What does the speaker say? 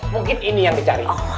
mungkin ini yang dicari